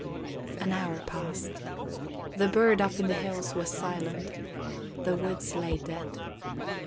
An hour passed. The bird up in the hills was silent, the woods lay dead.